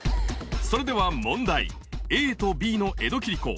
それでは問題ＡとＢの江戸切子